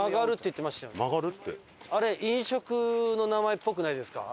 あれ飲食の名前っぽくないですか？